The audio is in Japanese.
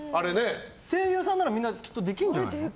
声優さんなら、きっとみんなできるんじゃない？